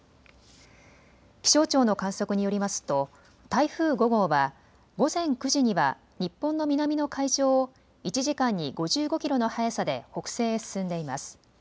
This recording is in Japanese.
気象庁の観測によりますと台風５号は午前９時には日本の南の海上を１時間に５５キロの速さで北西へ進んでいます。